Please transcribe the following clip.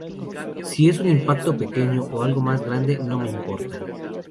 Si es un impacto pequeño o algo más grande, no me importa.